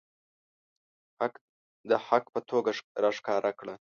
حق د حق په توګه راښکاره کړه.